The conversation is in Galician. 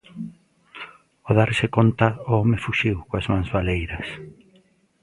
Ao darse conta o home fuxiu coas mans baleiras.